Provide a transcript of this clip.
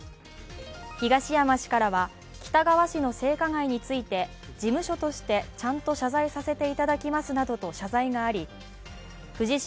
東山氏からは、喜多川氏の性加害について事務所としてちゃんと謝罪させていただきますなどと謝罪があり藤島